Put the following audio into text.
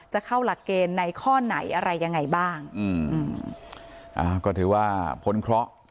จะเข้าหลักเกณฑ์ในข้อไหนอะไรยังไงบ้างอืมอ่าก็ถือว่าพ้นเคราะห์